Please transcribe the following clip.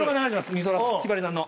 美空ひばりさんの。